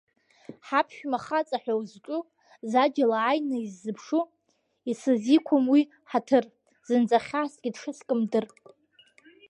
Ҳаԥшәма хаҵа ҳәа узҿу, заџьал ааины иззыԥшу, исызиқәым уи ҳаҭыр, зынӡа хьаасгьы дшыскым дыр.